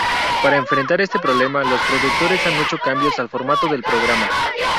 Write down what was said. Para enfrentar este problema, los productores han hecho cambios al formato del programa.